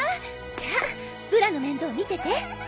じゃあブラの面倒見てて！